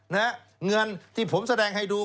เงินที่ผมแสดงให้ดู